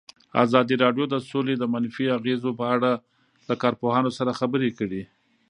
ازادي راډیو د سوله د منفي اغېزو په اړه له کارپوهانو سره خبرې کړي.